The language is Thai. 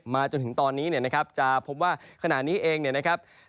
มาจนถึงตอนนี้นะครับจะพบว่าขนาดนี้เองนะครับ